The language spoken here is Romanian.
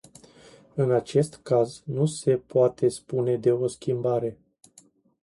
În acest caz nu se poate spune de o schimbare.